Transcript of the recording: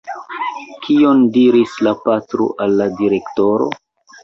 Kion diris la patro al la direktoro?